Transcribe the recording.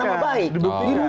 kita juga akan merupikan